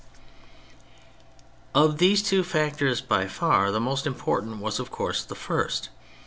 Of these two factors by far the most im portant was, of course, the first.